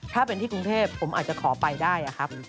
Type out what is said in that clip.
ถ้าเป็นที่กรุงเทพผมอาจจะขอไปได้ครับ